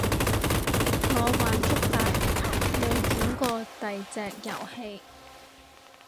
我玩足八年冇轉過第隻遊戲